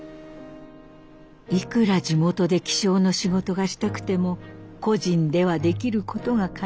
いくら地元で気象の仕事がしたくても個人ではできることが限られます。